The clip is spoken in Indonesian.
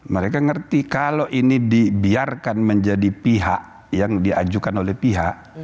mereka ngerti kalau ini dibiarkan menjadi pihak yang diajukan oleh pihak